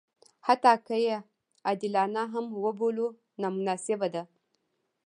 حتی که یې عادلانه هم وبولو نامناسبه ده.